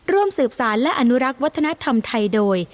ร่วมสืบสารและอนุรักษ์วัฒนธรรมไทยโดย